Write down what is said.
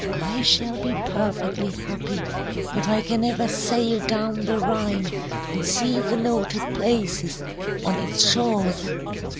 I shall be perfectly happy if I can ever sail down the Rhine and see the noted places on its shores."